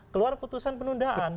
keluar putusan penundaan